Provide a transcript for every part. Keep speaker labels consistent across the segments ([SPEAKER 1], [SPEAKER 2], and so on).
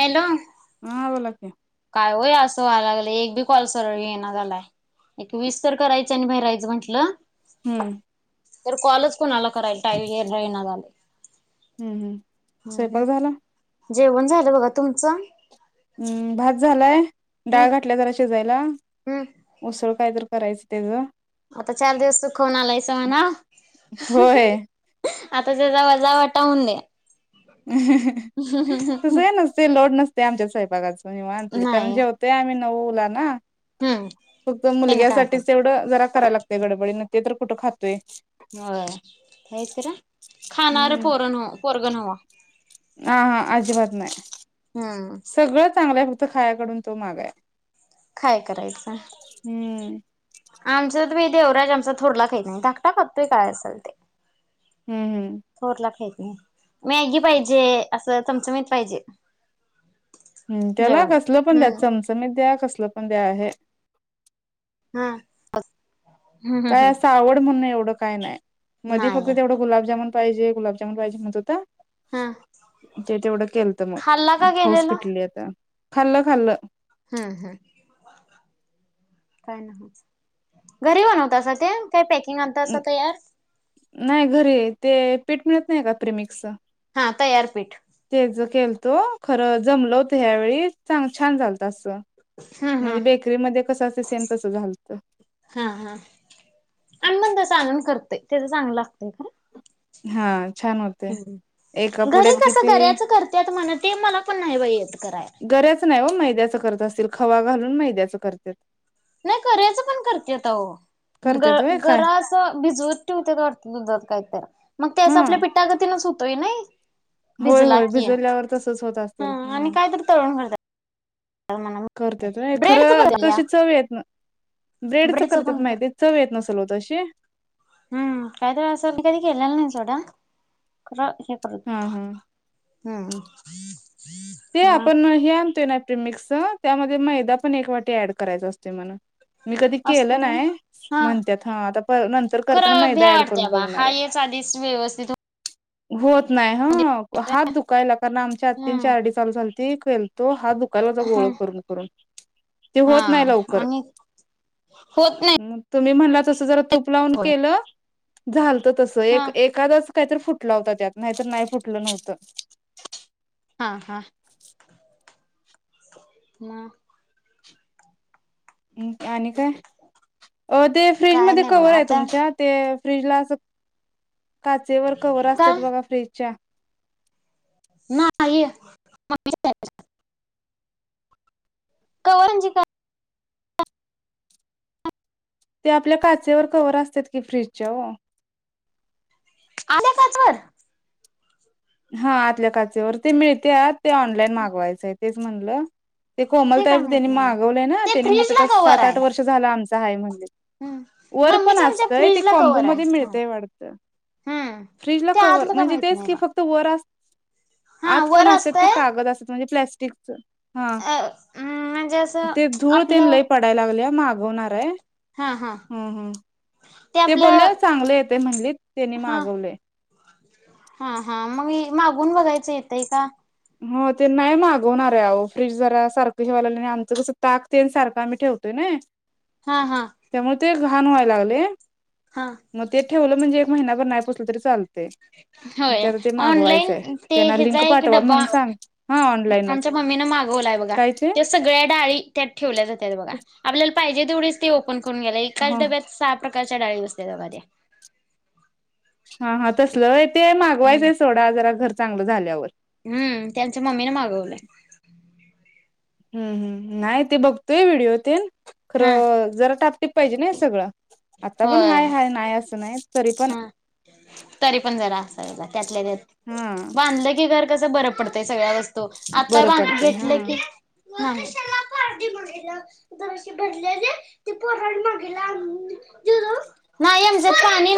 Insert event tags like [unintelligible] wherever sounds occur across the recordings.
[SPEAKER 1] Hello
[SPEAKER 2] [inaudible]
[SPEAKER 1] काय होय असं व्हायला लागलं. एक बी कॉल सरळ येना झालाय. एक वीस तर करायच आणि भिरायचं म्हटलं.
[SPEAKER 2] हम्म
[SPEAKER 1] तर कॉलच कुणाला करायला टाई राहीना झाल.
[SPEAKER 2] हम्म हम्म
[SPEAKER 1] हम्म
[SPEAKER 2] स्वयंपाक झाला
[SPEAKER 1] हम्म जेवण झालं बघा तुम जा
[SPEAKER 2] हम्म भात झालाय.
[SPEAKER 1] हम्म
[SPEAKER 2] डाळ घातल्या जराशी जायला
[SPEAKER 1] हम्म
[SPEAKER 2] उसळ काय करू करायचं त्याच
[SPEAKER 1] आता चार दिवस सुख खावून आलायसा म्हणा.
[SPEAKER 2] होय
[SPEAKER 1] आता सगळा वजा -वाटाहूनदे.
[SPEAKER 2] तस काय नसतय लोड नस- ते आमच्या स्वयंपाकच- निवांत करून
[SPEAKER 1] नाही
[SPEAKER 2] जेवतोय आम्ही. आहो यानां-
[SPEAKER 1] हम्म
[SPEAKER 2] फक्त
[SPEAKER 1] त्याने काय होत.
[SPEAKER 2] मुलग्यासाठीच तेवढं जरा करायला लागत गडबडी न. ते तर कुठं खातोय!
[SPEAKER 1] होय! होयच खर, खाणार पोर- पोरग नव.
[SPEAKER 2] अहां! आजिबात नाही.
[SPEAKER 1] हुं
[SPEAKER 2] चांगलाय, फक्त खायाकडून तो मागा आहे.
[SPEAKER 1] काय करायचं!
[SPEAKER 2] हम्म
[SPEAKER 1] आमच्या- तुमी देवराज आमचा थोरला खायीत नाही धाकटा खातोय काय असेल ते
[SPEAKER 2] हम्म हम्म
[SPEAKER 1] थोरला खायी- मॅगी पाहिजे, असं चमचमीत पाहिजे.
[SPEAKER 2] हुं त्याला
[SPEAKER 1] जेवण
[SPEAKER 2] कसलं पण द्या
[SPEAKER 1] हम्म
[SPEAKER 2] चमचमित मी द्या कसल- ते पण द्या आहे.
[SPEAKER 1] हां अस-
[SPEAKER 2] काय असं आवड म्हणून नाही ओ. [unintelligible] काय नाय. मध्ये फक्त
[SPEAKER 1] नाही
[SPEAKER 2] तेवढं गुलाबजामुन पाहिजे गुलाबजामून पाहिजे म्हणत होता.
[SPEAKER 1] हा
[SPEAKER 2] ते तेवढं केलत
[SPEAKER 1] खाल्ला
[SPEAKER 2] मग
[SPEAKER 1] का गेलेला
[SPEAKER 2] हॉस्पिटल येतान- खालं -खालं.
[SPEAKER 1] हुं हुं काय न्हवच घरी बनवतासा ते. काय पॅकिंग
[SPEAKER 2] उं
[SPEAKER 1] आणतासा तयार
[SPEAKER 2] नाय घरी आहेते- पीठ मिळत नाही का? प्रिमिक्सच.
[SPEAKER 1] हा! तयार पीठ.
[SPEAKER 2] तेज केलत खरं, जमल होत ह्यावेेळी चांग छान चालत असं.
[SPEAKER 1] हम्म हम्म
[SPEAKER 2] म्हणजे, बेकरीमध्ये कसं असतय सेम तस झालंत.
[SPEAKER 1] हा हा ते, त्याच चांगलं लागतय खर.
[SPEAKER 2] हां छान होतेय एका
[SPEAKER 1] घरी
[SPEAKER 2] पुड्यात
[SPEAKER 1] कसं
[SPEAKER 2] किती,
[SPEAKER 1] गऱ्याच करत्यात म्हण ते मला पण नाही बाई येत करायला.
[SPEAKER 2] गऱ्याच नाही ओ मैद्याच करत असतील. खवा घालून मैद्याच करते.
[SPEAKER 1] नाही गऱ्याच पण करत्यात आवो ग
[SPEAKER 2] करत्यात होय काय
[SPEAKER 1] -गरा असं भिजवत ठेवत्यात वाटत दुधात काहीतर. मग ते
[SPEAKER 2] हा
[SPEAKER 1] असं पिठागतीन हुतोय नाही.
[SPEAKER 2] होय
[SPEAKER 1] भिजला
[SPEAKER 2] होय,
[SPEAKER 1] की.
[SPEAKER 2] भिजवल्यावर तसच होत असतील
[SPEAKER 1] हं आणि
[SPEAKER 2] ह
[SPEAKER 1] कायतरी तळून करत्यात म्हणा
[SPEAKER 2] करत्यात व्हय
[SPEAKER 1] ब्रेडच पण
[SPEAKER 2] खरं
[SPEAKER 1] केल्या
[SPEAKER 2] तशी चव येत ब्रेडच
[SPEAKER 1] पण
[SPEAKER 2] करतात
[SPEAKER 1] कर
[SPEAKER 2] माहिती चव येत नसल व तशी
[SPEAKER 1] हम्म कायतर आसा कधी केलेला नाही सोडा
[SPEAKER 2] हा हा
[SPEAKER 1] हा
[SPEAKER 2] ते आपण ह्या मिक्स त्यामध्ये मैदा पण एक वाटी ऍड करायचा असतो म्हण मी कधी केलं
[SPEAKER 1] असतंय व्हय.
[SPEAKER 2] नाही
[SPEAKER 1] हा
[SPEAKER 2] म्हणत्यात हा आता पर नंतर करताना
[SPEAKER 1] खरं भ्या
[SPEAKER 2] मैदा ऍड करून
[SPEAKER 1] वाटत्या बा
[SPEAKER 2] बघणार
[SPEAKER 1] हा
[SPEAKER 2] आहे
[SPEAKER 1] हेच आधीच व्यवस्थित
[SPEAKER 2] होत नाहीय ह हात दुखायला कारण आमच्या
[SPEAKER 1] हं
[SPEAKER 2] आत्तींच्या आडीच ती केलतो हाथ दुःखा गोळा
[SPEAKER 1] हं
[SPEAKER 2] करून करून ते
[SPEAKER 1] हा
[SPEAKER 2] होत नाही लवकर
[SPEAKER 1] आणि होत नाही
[SPEAKER 2] तुम्ही म्हणलात तसं जरा तूप लावून
[SPEAKER 1] होय
[SPEAKER 2] केलं झाल तस
[SPEAKER 1] हा
[SPEAKER 2] एक एखादाच काहीतर फुटला होता त्यात नाहीतर नाही फुटलं नव्हतं
[SPEAKER 1] हा हा म
[SPEAKER 2] आणि काय ते फ्रीज
[SPEAKER 1] काय
[SPEAKER 2] मध्ये
[SPEAKER 1] नाही
[SPEAKER 2] कवर
[SPEAKER 1] बघा
[SPEAKER 2] आहे
[SPEAKER 1] आता
[SPEAKER 2] तुमच्या ते फ्रीजला अस काचेवर कवर असत्यात
[SPEAKER 1] काय
[SPEAKER 2] बघा फ्रीजच्या
[SPEAKER 1] ना ये कवरांची काय
[SPEAKER 2] जावु
[SPEAKER 1] आले काचवर
[SPEAKER 2] हा आतल्या काचेवर ते मिळते ते ऑनलाईन मागवायचें तेच म्हणलं ते
[SPEAKER 1] काय
[SPEAKER 2] कोमलताहेब
[SPEAKER 1] माहित
[SPEAKER 2] त्यांनी
[SPEAKER 1] नाही मग
[SPEAKER 2] मागवलेय ना
[SPEAKER 1] ते
[SPEAKER 2] त्यानी म्हणलेत
[SPEAKER 1] फ्रीज ला
[SPEAKER 2] आता
[SPEAKER 1] कवर
[SPEAKER 2] सात आठ
[SPEAKER 1] आहे
[SPEAKER 2] वर्ष झाला आमच काय म्हणलेत वर पण
[SPEAKER 1] मम्मीच्या आमच्या
[SPEAKER 2] असतय ते
[SPEAKER 1] फ्रीज ला
[SPEAKER 2] कॉम्बो
[SPEAKER 1] कवर
[SPEAKER 2] मध्ये
[SPEAKER 1] आहे
[SPEAKER 2] मिळतय वाटतं
[SPEAKER 1] हम्म
[SPEAKER 2] फ्रीजला
[SPEAKER 1] ते
[SPEAKER 2] कवर
[SPEAKER 1] आतलं का
[SPEAKER 2] म्हणजे
[SPEAKER 1] माहित
[SPEAKER 2] तेच
[SPEAKER 1] नाही
[SPEAKER 2] की
[SPEAKER 1] बा
[SPEAKER 2] फक्त पर
[SPEAKER 1] हा
[SPEAKER 2] आत
[SPEAKER 1] वर
[SPEAKER 2] पण असत ते
[SPEAKER 1] असतय
[SPEAKER 2] कागद असत म्हणजे प्लास्टिकचं हा
[SPEAKER 1] अ म्हणजे असं
[SPEAKER 2] ते धूळ तेन
[SPEAKER 1] आपलं
[SPEAKER 2] लय पडायला लागल्या माग येणार आहे
[SPEAKER 1] हा हा
[SPEAKER 2] हम् हम् ते बोलले चांगले येतय म्हणलीत त्याने
[SPEAKER 1] हा
[SPEAKER 2] मागवले
[SPEAKER 1] हा हा मग मागवून बघायचं येतंय का
[SPEAKER 2] हो ते नाही मागवणार आहे फ्रीज जरा सारखं जेवल्यानंतर आमचं कसं ताक तेन सारखं आम्ही ठेवतोय ना
[SPEAKER 1] हा हा
[SPEAKER 2] घाण व्हाय लागलंय.
[SPEAKER 1] हा
[SPEAKER 2] म ते ठेवलं म्हणजे महिनाभर नाही पुसलं तरी चाल
[SPEAKER 1] होय, ऑनलाईन ते
[SPEAKER 2] त्यांना
[SPEAKER 1] हेचा
[SPEAKER 2] लिंक
[SPEAKER 1] एक
[SPEAKER 2] पाठवा
[SPEAKER 1] डबा
[SPEAKER 2] म्हणून सांग हा ऑनलाईनच
[SPEAKER 1] आमच्या मम्मीनं मागवलाय बघा ते सगळ्या डाळी त्यात ठेवल्या जात्यात बघा. आपल्याला पाहिजे तेवढीच ते अण कोण गेला एकाच
[SPEAKER 2] ह
[SPEAKER 1] डब्यात सहा क कश्या डाळी बसत्यात बघा त्या.
[SPEAKER 2] हा, हा तसलं व्हय ते मागवायचंय सोडा जरा घर चांगलं झाल्यावर.
[SPEAKER 1] हम् ते आमच्या मम्मीने मागवलंय.
[SPEAKER 2] हम्म, हम्म नाय ते बघतोय व्हिडिओ तेन
[SPEAKER 1] हा
[SPEAKER 2] खरं जरा टापटिप पाहिजे नाय सगळं. आता पण
[SPEAKER 1] होय
[SPEAKER 2] हाय, हाय नाय असं नाय.
[SPEAKER 1] हा. तरी पण जरा असावं त्यातल्यात्यात
[SPEAKER 2] हा
[SPEAKER 1] बांधलं की घर कस बर पडतय सगळ्यास व त आता
[SPEAKER 2] बरं
[SPEAKER 1] घाण
[SPEAKER 2] पडते हा
[SPEAKER 1] घेतलं की हा, हा. [unintelligible] नाइ एमजात पाणी पाणी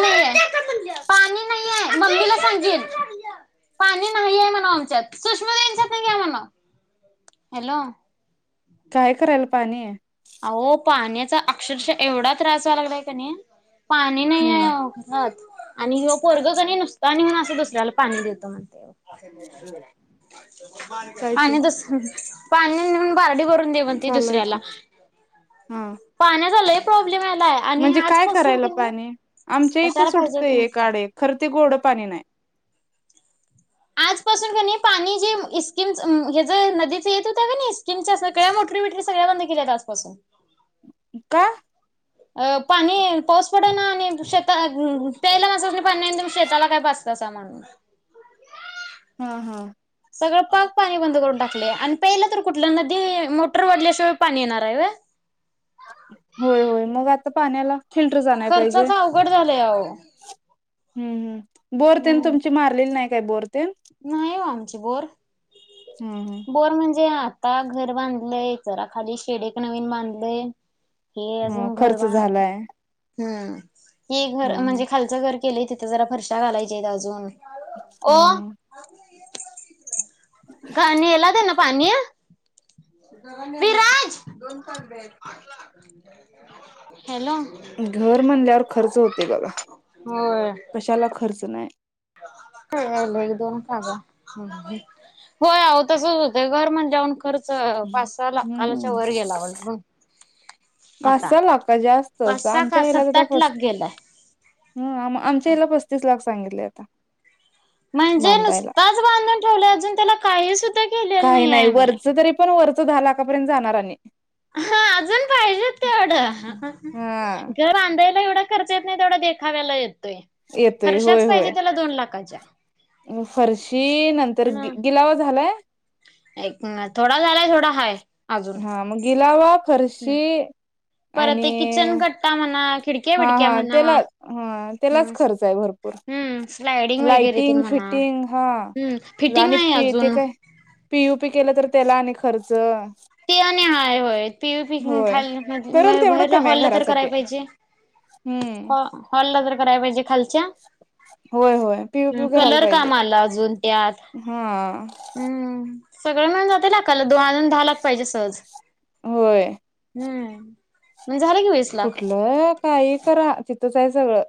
[SPEAKER 1] नाइयय ममीला सांगीन पाणी नाहीय म्हणावं आमच्यात सुषमी यांच्यात घ्या म्हण. हॅलो
[SPEAKER 2] काय करायला पाणी?
[SPEAKER 1] अहो पाण्याचा अक्षरशःएवढा त्रास व्हायला लागलाय का नाइ. पाणी नाइय
[SPEAKER 2] हम्म
[SPEAKER 1] ओ घरात. आणिं ह्यो पोरगं कणी नुसतं आणून असं दुसऱ्याला पाणी देतो म्हणतय.
[SPEAKER 2] काय ते
[SPEAKER 1] आणि दुस पाणी नाय म्हणून बार्डी भरून दे म्हणतंय
[SPEAKER 2] चालू आहे
[SPEAKER 1] दुसऱ्याला.
[SPEAKER 2] की हा,
[SPEAKER 1] पाण्याचा लय प्रॉब्लेम यायलाय आणि
[SPEAKER 2] म्हणजे काय
[SPEAKER 1] आजपासून
[SPEAKER 2] करायला
[SPEAKER 1] कणी
[SPEAKER 2] पाणी आमच्या इथं
[SPEAKER 1] कशाला पाहिजे
[SPEAKER 2] सुटतंय
[SPEAKER 1] कुणास
[SPEAKER 2] एक
[SPEAKER 1] ठाऊक.
[SPEAKER 2] आड एक खर ते गोडं पाणी नाइ.
[SPEAKER 1] आजपासून क नाइ पाणी जे इस्किम जे नदीच येत होत क नाइ तिनच्या सगळ्या मोटरी सगळ्या बंद केल्यात आजपासून.
[SPEAKER 2] का?
[SPEAKER 1] अ पाणी पाऊस पडना आणि शेता पेला माणसांनी पाणी नाय शेताला काय पाजतासा म्हणून
[SPEAKER 2] हा हा
[SPEAKER 1] सगळं पाक पाणी बंद करून टाकलं आणि प्याला तर कुठल नदी मोटर वढल्याशिवाय पाणी येणार आहे होय
[SPEAKER 2] होय होय मग आता पाण्याला फिल्टर च आणाय पाहिजे
[SPEAKER 1] खर्चाच अवघड झालंय अहो.
[SPEAKER 2] बोरतेन
[SPEAKER 1] हम्म
[SPEAKER 2] तुमची मारलेली नाही बोर तेन
[SPEAKER 1] नाही हो आमची बोर
[SPEAKER 2] हम्म हम्म
[SPEAKER 1] बोर म्हणजे आता घर बांधलंय जरा खाली शेड एक नवीन बांधलय
[SPEAKER 2] हा खर्च झालाय
[SPEAKER 1] हम्म घर
[SPEAKER 2] हम्म हम्म
[SPEAKER 1] म्हणजे खालचं घर केलय तिथे जरा फर्शा घालायच्या आहेत अजून
[SPEAKER 2] हम्म
[SPEAKER 1] का नेला त्यांनी पाणी विराज हॅलो
[SPEAKER 2] घर म्हणल्यावर खर्च होतंय बघा
[SPEAKER 1] होय
[SPEAKER 2] कशाला खर्च नाही
[SPEAKER 1] एक दोन होय आव तसच होत घर म्हटल्यावर
[SPEAKER 2] ह्
[SPEAKER 1] वाटतं
[SPEAKER 2] पाच
[SPEAKER 1] आता.
[SPEAKER 2] सहा लाख
[SPEAKER 1] पाच
[SPEAKER 2] जास्तच
[SPEAKER 1] सहा
[SPEAKER 2] आमच्या
[SPEAKER 1] का
[SPEAKER 2] ह्याला
[SPEAKER 1] सात
[SPEAKER 2] तर
[SPEAKER 1] आठ लाख गेलाय.
[SPEAKER 2] आमच्या ह्याला पस्तीस लाख सांगितले आता
[SPEAKER 1] म्हणजे
[SPEAKER 2] बांधायला
[SPEAKER 1] नुसताच बांधून त्याला काही सुद्धा केलेलं
[SPEAKER 2] काही
[SPEAKER 1] आहे
[SPEAKER 2] नाही
[SPEAKER 1] आम्ही.
[SPEAKER 2] वरच तरी पण वर दहा लाखापर्यंत जाणार आणि
[SPEAKER 1] हा अजून पाहिजेत तेवढं
[SPEAKER 2] हा
[SPEAKER 1] घर आणधाय एवढा खर्च येत नाही. तेवढा देखाव्याला येत
[SPEAKER 2] येतोय
[SPEAKER 1] फरशाच
[SPEAKER 2] होय
[SPEAKER 1] पाहिजे
[SPEAKER 2] होय
[SPEAKER 1] त्याला दोन लाखाच्या.
[SPEAKER 2] फरशी नंतर
[SPEAKER 1] ह
[SPEAKER 2] गिलावा झालाय.
[SPEAKER 1] एक न थोडा झालाय थोडा हाय. अजून.
[SPEAKER 2] हा मग गिलावा
[SPEAKER 1] हम्म
[SPEAKER 2] फरशी
[SPEAKER 1] परत
[SPEAKER 2] आणि
[SPEAKER 1] ते किचन कट्टा म्हणा खिडक्या
[SPEAKER 2] हा
[SPEAKER 1] बिडक्या
[SPEAKER 2] हा
[SPEAKER 1] म्हणा
[SPEAKER 2] त्याला हा त्यालाच
[SPEAKER 1] हम्म
[SPEAKER 2] खर्च आहे भरपूर
[SPEAKER 1] हम्म स्लायडिंग वगैरे ते
[SPEAKER 2] लाइटिंग
[SPEAKER 1] म्हणा
[SPEAKER 2] फिटिंग हा
[SPEAKER 1] हम्म फिटिंग आहे
[SPEAKER 2] जाणीपी ते
[SPEAKER 1] अजून.
[SPEAKER 2] काय पी यू पी केलं तर त्याला आणि खर्च
[SPEAKER 1] ते आणि हाय होय पी ओ पी
[SPEAKER 2] होय
[SPEAKER 1] खाल
[SPEAKER 2] करल तेवढं
[SPEAKER 1] वरदला
[SPEAKER 2] कमी आहे
[SPEAKER 1] हाॅलला तर कराया
[SPEAKER 2] घरासाठी
[SPEAKER 1] पाहीजे.
[SPEAKER 2] हम्म
[SPEAKER 1] हॉल ला तर कराय पाहीजे खाल
[SPEAKER 2] होय होय पीयूपी करायला
[SPEAKER 1] कलर
[SPEAKER 2] पाहिजे
[SPEAKER 1] कामाला अजून याद
[SPEAKER 2] हा
[SPEAKER 1] हम्म सगळं मिळून जाते लाखाला. दोन अजून दहा लाख पाहिजे सहज
[SPEAKER 2] होय.
[SPEAKER 1] हम्म मग झालं की वीस लाख
[SPEAKER 2] कुठलं काही करा. ईतच आहे सगळं.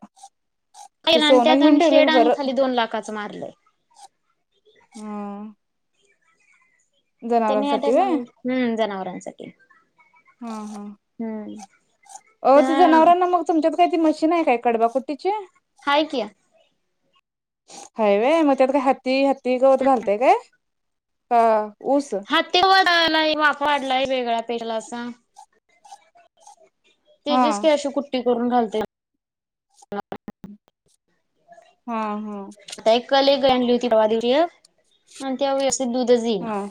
[SPEAKER 2] ते
[SPEAKER 1] पहीलान
[SPEAKER 2] सोनं घेऊन
[SPEAKER 1] त्याचान शेड
[SPEAKER 2] ठेवलेलं
[SPEAKER 1] आणि
[SPEAKER 2] बरं
[SPEAKER 1] खाली दोन लाखाचं मारल.
[SPEAKER 2] हम्
[SPEAKER 1] तेनी या टाईमाल
[SPEAKER 2] व्हय
[SPEAKER 1] हम्म जनावर [inaudible]
[SPEAKER 2] हा हा अ ते
[SPEAKER 1] तर
[SPEAKER 2] जनावरांना मग तुमच्यात ती मशीन आहे काय कडबाकुट्टीचे.
[SPEAKER 1] हाय की
[SPEAKER 2] हायवे म त्यात का हाती हात ती गवत घालतेय काय? हा
[SPEAKER 1] ह तेवड लई वाप वाढलाय वेगळा [unintelligible] पेरलासा
[SPEAKER 2] हा
[SPEAKER 1] तेजेस कय अश कुट्टी करून घालते.
[SPEAKER 2] हा हम्
[SPEAKER 1] आता एक कल एक आणि त्या व [unintelligible] सिद्धु द झीना
[SPEAKER 2] हा
[SPEAKER 1] [unintelligible]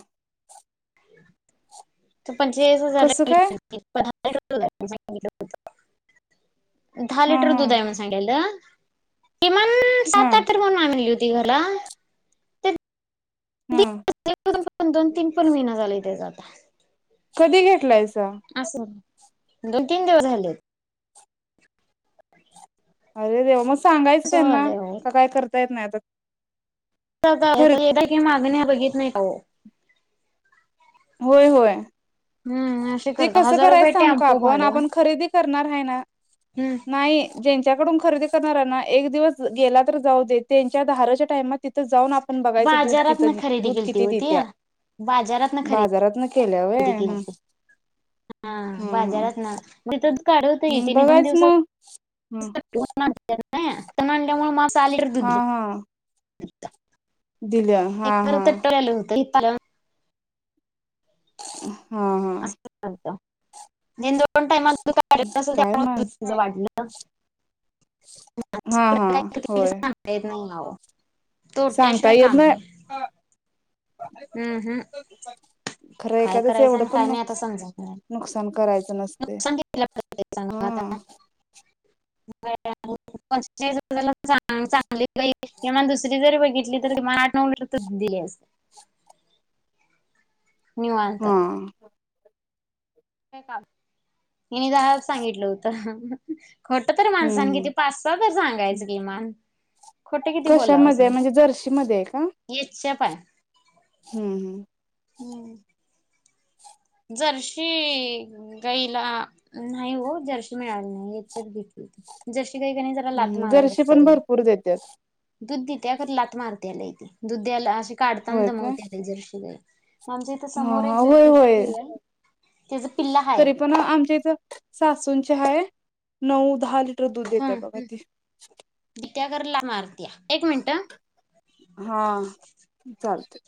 [SPEAKER 1] पंचेचाळीस हजार
[SPEAKER 2] कसं काय
[SPEAKER 1] [unintelligible] दहा
[SPEAKER 2] हा
[SPEAKER 1] लिटर
[SPEAKER 2] हा
[SPEAKER 1] दूध आहे म्हण सांगायला. किमान
[SPEAKER 2] हा
[SPEAKER 1] सात आठ र कोण वला [unintelligible]
[SPEAKER 2] हम
[SPEAKER 1] पण दोन तीन पण महिन झाले ते जाता
[SPEAKER 2] कधी घेतलायस
[SPEAKER 1] असल दोन तीन दिवस झाले
[SPEAKER 2] अरेे ममस् सांगायचं
[SPEAKER 1] असं
[SPEAKER 2] त्यांना
[SPEAKER 1] व्हायलंय अहो.
[SPEAKER 2] का काय करत येत नाही आता खर
[SPEAKER 1] मागणी बघित नाही का हो
[SPEAKER 2] होय होय
[SPEAKER 1] असे
[SPEAKER 2] ते
[SPEAKER 1] करता.
[SPEAKER 2] कस
[SPEAKER 1] हजार रुपये
[SPEAKER 2] करायचग
[SPEAKER 1] टेम्पो
[SPEAKER 2] आपण
[SPEAKER 1] भाडं.
[SPEAKER 2] आपण खरेदी करणार आहे ना
[SPEAKER 1] हम्म
[SPEAKER 2] नाही ज्यांच्या खरेदी करणार एक दिवस गेला तर जाऊ दे त्यांच्या दाराच्या टामात तिथं जाऊन आपण बघायच दूध कि
[SPEAKER 1] बाजारातन खरेदी
[SPEAKER 2] दूध
[SPEAKER 1] केलती
[SPEAKER 2] किती
[SPEAKER 1] ओ ती.
[SPEAKER 2] देत्या
[SPEAKER 1] बाजारातन खरेदी
[SPEAKER 2] बाजारात केले अवे हम
[SPEAKER 1] केलती. हा बाजारात ना म काढत ये
[SPEAKER 2] हम्म
[SPEAKER 1] ति दोन
[SPEAKER 2] बघायच
[SPEAKER 1] दिवस ह
[SPEAKER 2] मग हं
[SPEAKER 1] त डमुळे मा
[SPEAKER 2] हा हा दिल्या हा हा
[SPEAKER 1] ह
[SPEAKER 2] ह
[SPEAKER 1] असं चालत निंदोन टाईमल काय नल
[SPEAKER 2] काय
[SPEAKER 1] त्या
[SPEAKER 2] माणस
[SPEAKER 1] वाटलं [inaudible]
[SPEAKER 2] हा हा होय
[SPEAKER 1] सांगता येत नई. [unintelligible]
[SPEAKER 2] सांगता येत नाय.
[SPEAKER 1] अं हम्म.
[SPEAKER 2] खरं
[SPEAKER 1] काय
[SPEAKER 2] एखाद्याच
[SPEAKER 1] करायचं आणि
[SPEAKER 2] एवढंपन
[SPEAKER 1] काय नाही आता
[SPEAKER 2] नुक
[SPEAKER 1] समजत नाही
[SPEAKER 2] नुकसान करायचं नसतयं
[SPEAKER 1] नुकसान केलं पाहिजे सांगा आता
[SPEAKER 2] हां.
[SPEAKER 1] [inaudible] चांगली [inaudible] किंवा दुसरी जरी बघ तली तर [unintelligible] दिली अस
[SPEAKER 2] हा
[SPEAKER 1] निवांत.
[SPEAKER 2] हम्म
[SPEAKER 1] मी जा सांगिटलं होतं. खोटंतर माणसांनी किती
[SPEAKER 2] हम्म
[SPEAKER 1] पाचसा तर सांगायचं किमान. खोटे किती
[SPEAKER 2] कशा
[SPEAKER 1] बोलावं
[SPEAKER 2] मध्ये आय म्हणजे जर्शी मध्येय का?
[SPEAKER 1] [unintelligible] पाय.
[SPEAKER 2] हम्म् हम्म.
[SPEAKER 1] हम्म. जर्शीइ गाईला न्हाईओ जर्शी मिळाली नाही [unintelligible] घेतली जर्शी गाई कणी जरा लात
[SPEAKER 2] हम्म जरशी पण भरपूर देत्यात.
[SPEAKER 1] दुध दित्या खर लातं मारत्या लईती दुध द्यायला अशी काढताना दमवत्याती जरशी गई.
[SPEAKER 2] हं हा होय होय
[SPEAKER 1] गाई आहे त्याच पिल्ला हाय.
[SPEAKER 2] तरी पण आमच्या इथ सासूंची हाय. नऊदहाली टर दूध देत्या बघा
[SPEAKER 1] हम्म
[SPEAKER 2] ती.
[SPEAKER 1] त्या घरला मार.
[SPEAKER 2] हां चालतय.